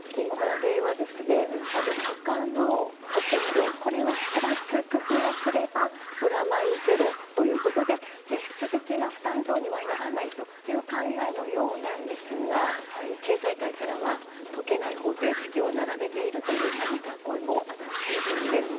これは、他の保険料を減らす工夫をすればプラマイゼロということで実質的な負担増にはならないという考えのようなんですが経済界からは解けない方程式を並べているという冷めた声も上がっているんです。